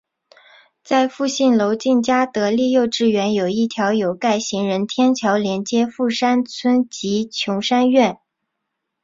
在富信楼近嘉德丽幼稚园有一条有盖行人天桥连接富山邨及琼山苑。